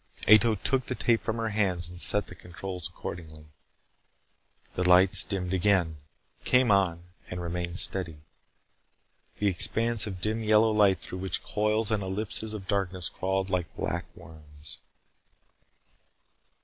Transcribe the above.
Ato took the tape from her hands and set the controls accordingly. The lights dimmed again came on and remained steady. The expanses of dim yellow light through which coils and ellipses of darkness crawled like black worms.